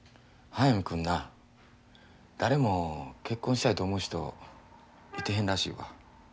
速水君な誰も結婚したいと思う人いてへんらしいわ。